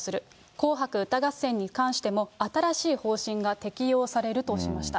紅白歌合戦に関しても新しい方針が適用されるとしました。